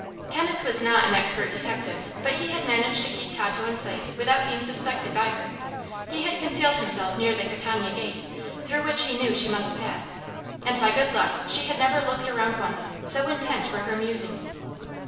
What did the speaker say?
Kenneth was not an expert detective, but he had managed to keep Tato in sight without being suspected by her. He had concealed himself near the Catania Gate, through which he knew she must pass, and by good luck she had never looked around once, so intent were her musings.